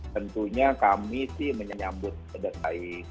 tentunya kami sih menyambut pedas baik